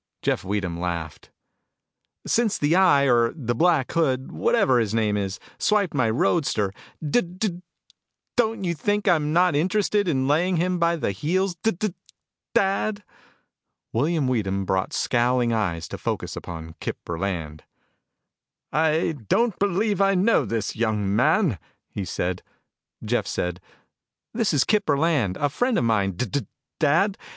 Jeff Weedham laughed. "Since the Eye or the Black Hood, whatever his name is, swiped my roadster, d d don't you think I'm not interested in laying him by the heels, D d dad." William Weedham brought scowling eyes to focus upon Kip Burland. "I don't believe I know this young man," he said. Jeff said, "This is Kip Burland, a friend of mine, D d dad.